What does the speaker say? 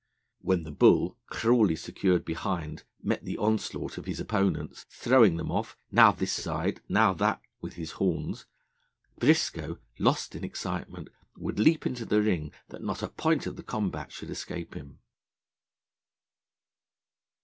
When the bull, cruelly secured behind, met the onslaught of his opponents, throwing them off, now this side, now that, with his horns, Briscoe, lost in excitement, would leap into the ring that not a point of the combat should escape him.